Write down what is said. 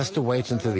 はい。